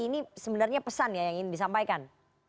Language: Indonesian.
ini sebenarnya pesan ya yang ingin disampaikan